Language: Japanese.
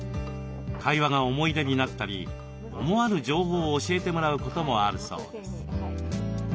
会話が思い出になったり思わぬ情報を教えてもらうこともあるそうです。